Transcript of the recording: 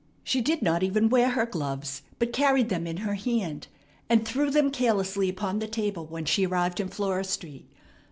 She did not even wear her gloves, but carried them in her hand, and threw them carelessly upon the table when she arrived in Flora Street.